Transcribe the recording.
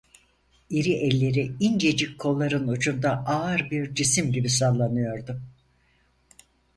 İri elleri incecik kolların ucunda ağır bir cisim gibi sallanıyordu.